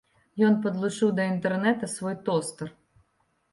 Ён падлучыў да інтэрнэта свой тостар.